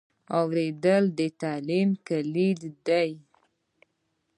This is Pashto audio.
اورېدنه د تعلیم کلید دی.